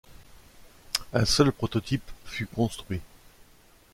Un seul prototype fut construit.